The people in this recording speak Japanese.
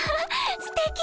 すてき！